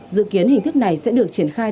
dự kiến hình thức này sẽ được triển khai